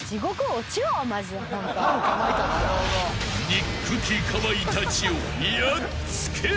［憎きかまいたちをやっつけろ！］